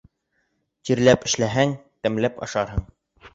Тирләп эшләһәң, тәмләп ашарһың.